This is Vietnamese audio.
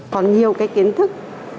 còn nhiều cái kiến thức